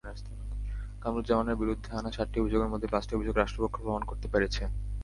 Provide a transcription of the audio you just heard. কামরুজ্জামানের বিরুদ্ধে আনা সাতটি অভিযোগের মধ্যে পাঁচটি অভিযোগ রাষ্ট্রপক্ষ প্রমাণ করতে পেরেছে।